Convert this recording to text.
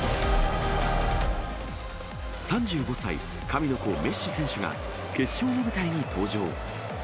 ３５歳、神の子、メッシ選手が、決勝の舞台に登場。